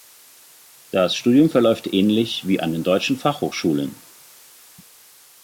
Das Studium verläuft ähnlich wie an den deutschen Fachhochschulen.